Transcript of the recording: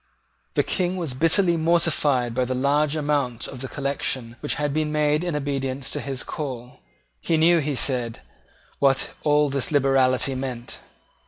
The King was bitterly mortified by the large amount of the collection which had been made in obedience to his own call. He knew, he said, what all this liberality meant.